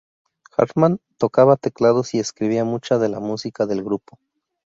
Hartman tocaba teclados y escribía mucha de la música del grupo.